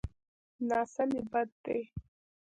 ناسمي بد دی.